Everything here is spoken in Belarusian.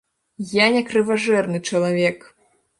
Я не крыважэрны чалавек.